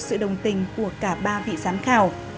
sự đồng tình của cả ba vị giám khảo